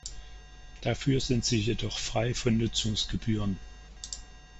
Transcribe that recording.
Dafür sind sie jedoch frei von Nutzungsgebühren.